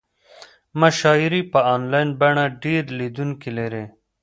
مشاعرې په انلاین بڼه ډېر لیدونکي لري.